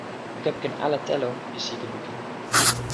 o kepeken ala telo pi sike lukin.